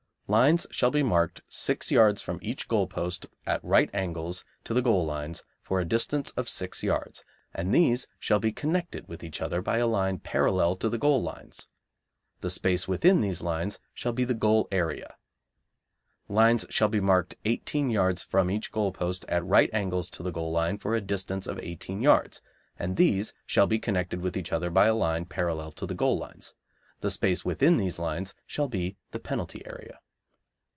Lines shall be marked six yards from each goal post at right angles to the goal lines for a distance of six yards, and these shall be connected with each other by a line parallel to the goal lines; the space within these lines shall be the goal area. Lines shall be marked eighteen yards from each goal post at right angles to the goal lines for a distance of eighteen yards, and these shall be connected with each other by a line parallel to the goal lines; the space within these lines shall be the penalty area.